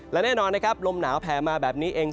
และแน่นอนนะครับลมหนาวแผ่มาแบบนี้เอง